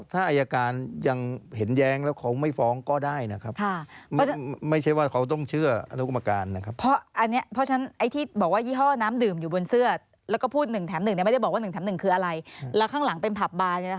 ถ้าอายการยังเห็นแย้งแล้วเขาไม่ฟ้องก็ได้นะครับ